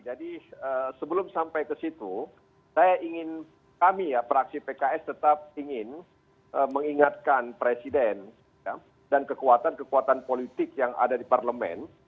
jadi sebelum sampai ke situ kami ya praksi pks tetap ingin mengingatkan presiden dan kekuatan kekuatan politik yang ada di parlemen